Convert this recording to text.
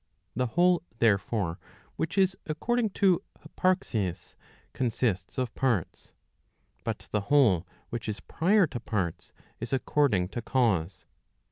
The whole, therefore, which is according to hyparxis consists of parts. But the whole which is prior to parts is according to cause.